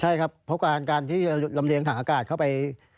ใช่ครับเพราะการที่จะลำเลียงทางอากาศเข้าไป